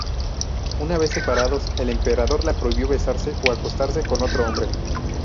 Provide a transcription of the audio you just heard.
Una vez separados, el emperador la prohibió besarse o acostarse con otro hombre.